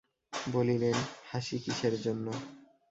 বলিলেন, হাসি কিসের জন্য!